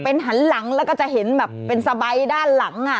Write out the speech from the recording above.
เป็นหันหลังแล้วก็จะเห็นแบบเป็นสบายด้านหลัง